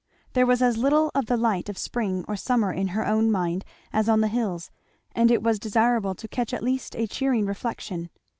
There was as little of the light of spring or summer in her own mind as on the hills, and it was desirable to catch at least a cheering reflection.